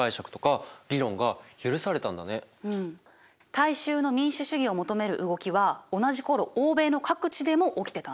大衆の民主主義を求める動きは同じ頃欧米の各地でも起きてたんだ。